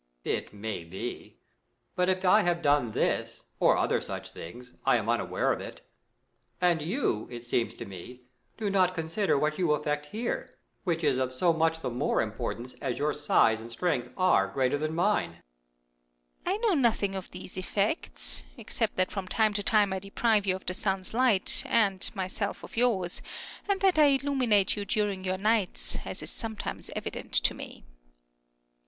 It may be. But if I have done this, or other such things, I am unaware of it. And you, it seems to me, do not consider what you effect here, which is of so much the more importance as your size and strength are greater than mine. Earth. I know nothing of these effects, except that from time to time I deprive you of the sun's light, and myself of yours, and that I illumine you during your nights, as is sometimes evident to me.